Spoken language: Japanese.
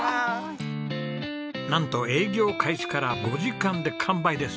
なんと営業開始から５時間で完売です。